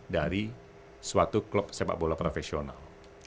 dari suatu klub sepak bola profesional